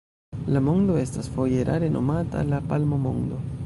La Mondo estas foje erare nomata La Palmo-Mondo.